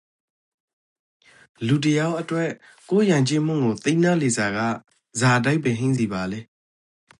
လူတယောက်အတွက်ကိုယ့်ယိုင်ကျေးမှုကိုသိနားလည်စာကဇာအဓိပ္ပါယ်ဟိမ့်ဇီဘာလေး